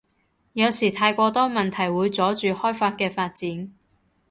有時太過多問題會阻住開法嘅發展